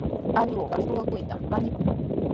Allquqa suqakuqtami kanikun.